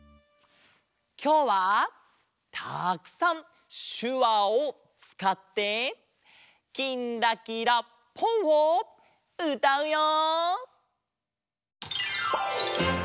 きょうはたくさんしゅわをつかって「きんらきらぽん」をうたうよ！